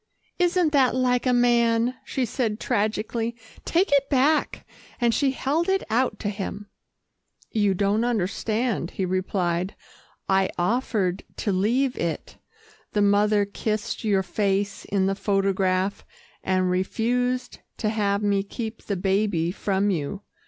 "Isn't that like a man," she said tragically. "Take it back," and she held it out to him. "You don't understand," he replied. "I offered to leave it. The mother kissed your face in the photograph, and refused to have me keep the baby from you.